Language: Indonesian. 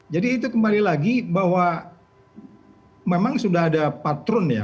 jadi itu kembali lagi bahwa memang sudah ada patron ya